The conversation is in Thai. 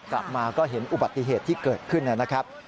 กลับมาก็เห็นอุบัติเหตุที่เกิดขึ้นนะครับ